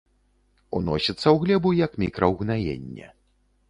Уносіцца ў глебу як мікраўгнаенне.